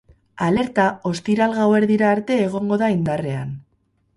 Alerta ostiral gauerdira arte egongo da indarrean.